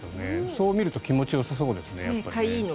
そうみると気持ちよさそうですね。